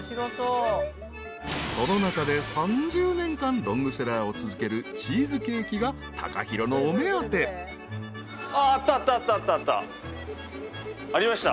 ［この中で３０年間ロングセラーを続けるチーズケーキがＴＡＫＡＨＩＲＯのお目当て］あったあったあったあった。